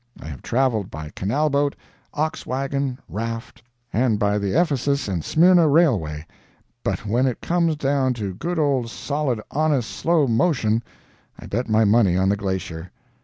I have traveled by canal boat, ox wagon, raft, and by the Ephesus and Smyrna railway; but when it comes down to good solid honest slow motion, I bet my money on the glacier.